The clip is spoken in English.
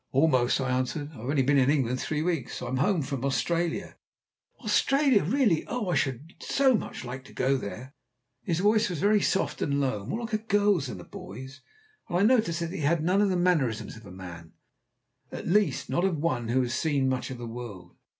"Almost," I answered. "I've only been in England three weeks. I'm home from Australia." "Australia! Really! Oh, I should so much like to go out there." His voice was very soft and low, more like a girl's than a boy's, and I noticed that he had none of the mannerisms of a man at least, not of one who has seen much of the world.